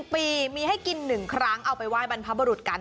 ๑ปีมีให้กิน๑ครั้งเอาไปไห้บรรพบรุษกัน